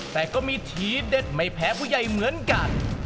แต่ก็มีทีเด็ดไม่แพ้ผู้ใหญ่เหมือนกัน